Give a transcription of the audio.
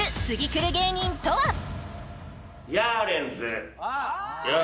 次くる芸人とは？